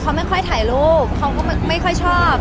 เขาไม่ค่อยถ่ายรูปเขาก็ไม่ค่อยชอบ